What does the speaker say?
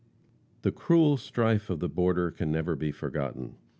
The cruel strife of the border can never be forgotten.